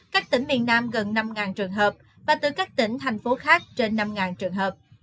các tỉnh miền nam gần năm trường hợp và từ các tỉnh thành phố khác trên năm trường hợp